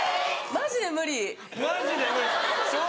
マジで無理。